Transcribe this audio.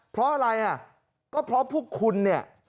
เพราะอะไรอ่ะก็เพราะพวกคุณเนี่ย